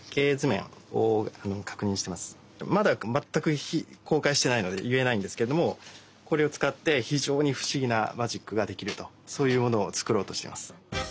まだ全く公開してないので言えないんですけれどもこれを使って非常に不思議なマジックができるとそういうものを作ろうとしています。